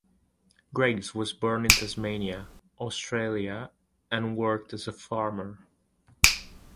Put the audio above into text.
Graves was born in Tasmania, Australia, and worked as a farmer.